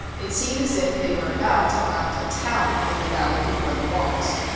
It seemed as if they were about to found a town in the valley before the walls.